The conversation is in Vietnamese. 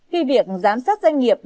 khi việc giám sát doanh nghiệp